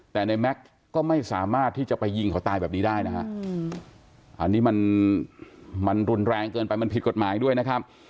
แต่ในแม็กซ์ก็ไม่สามารถที่จะไปยิงเขาตายแบบนี้ได้นะฮะอันนี้มันรุนแรงเกินไปมันผิดกฎหมายด้วยนะครับ